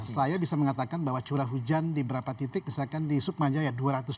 saya ingatkan bahwa curah hujan di berapa titik misalkan di sukmaja ya dua ratus dua